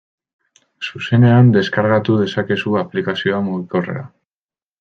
Zuzenean deskargatu dezakezu aplikazioa mugikorrera.